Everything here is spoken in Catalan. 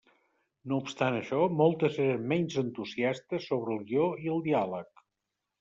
No obstant això, molts eren menys entusiastes sobre el guió i el diàleg.